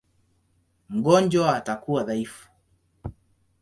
Mgonjwa atakuwa dhaifu.